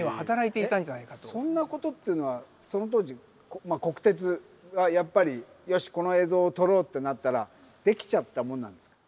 そんなことっていうのはその当時国鉄はやっぱりよしこの映像を撮ろうってなったらできちゃったもんなんですか？